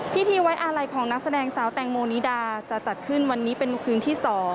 พิธีไว้อาลัยของนักแสดงสาวแตงโมนิดาจะจัดขึ้นวันนี้เป็นคืนที่๒